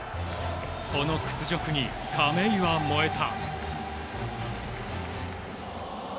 この屈辱に亀井は燃えた。